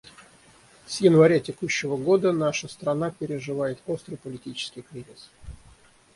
С января текущего года наша страна переживает острый политический кризис.